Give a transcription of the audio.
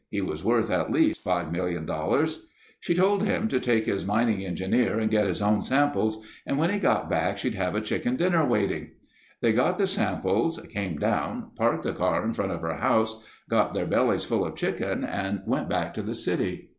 He was worth at least $5,000,000. She told him to take his mining engineer and get his own samples and when he got back she'd have a chicken dinner waiting. "They got the samples, came down, parked the car in front of her house, got their bellies full of chicken and went back to the city.